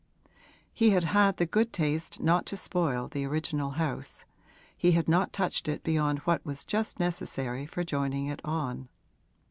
He had had the good taste not to spoil the original house he had not touched it beyond what was just necessary for joining it on.